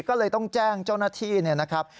ก็เลยต้องแจ้งเจ้าหน้าที่เนี่ยนะครับ